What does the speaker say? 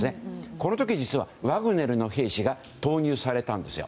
この時、実はワグネルの兵士が投入されたんですよ。